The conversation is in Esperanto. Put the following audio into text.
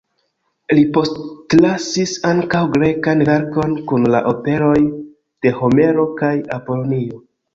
Li postlasis ankaŭ grekan verkon kun la operoj de Homero kaj Apolonio.